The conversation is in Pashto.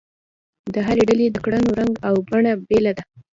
د هرې ډلې د کړنو رنګ او بڼه بېله ده.